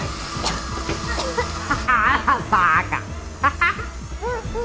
ハハハ！